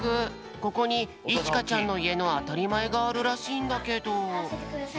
ここにいちかちゃんのいえのあたりまえがあるらしいんだけど。